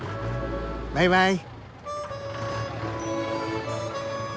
バイバイ。